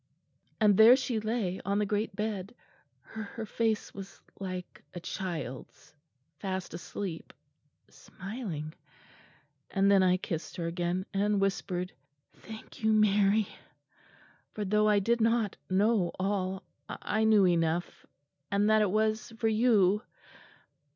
and there she lay on the great bed ... and her face was like a child's, fast asleep smiling: and then I kissed her again, and whispered, 'Thank you, Mary'; for, though I did not know all, I knew enough, and that it was for you."